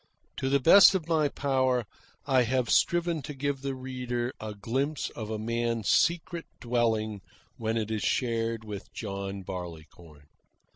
To the best of my power I have striven to give the reader a glimpse of a man's secret dwelling when it is shared with John Barleycorn.